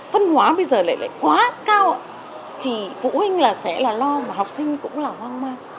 phân hóa bây giờ lại quá cao ạ thì phụ huynh là sẽ là lo mà học sinh cũng là hoang mơ